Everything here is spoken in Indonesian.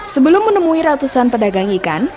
sebelum menemui ratusan pedagang ikan